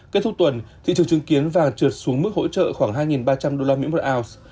kết thúc tuần thị trường chứng kiến vàng trượt xuống mức hỗ trợ khoảng hai ba trăm linh usd một ounce